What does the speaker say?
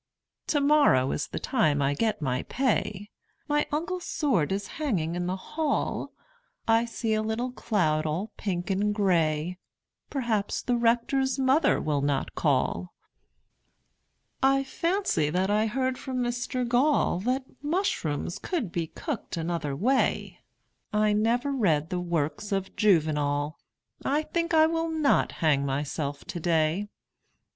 Tomorrow is the time I get my pay My uncle's sword is hanging in the hall I see a little cloud all pink and grey Perhaps the Rector's mother will not call I fancy that I heard from Mr Gall That mushrooms could be cooked another way I never read the works of Juvenal I think I will not hang myself today.